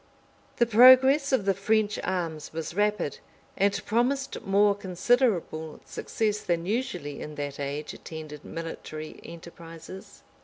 The progress of the French arms was rapid, and promised more considerable success than usually in that age attended military enterprises.